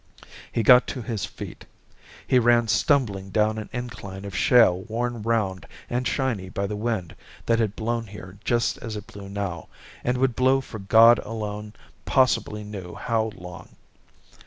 He got to his feet. He ran stumbling down an incline of shale worn round and shiny by the wind that had blown here just as it blew now, and would blow for God alone possibly knew how long.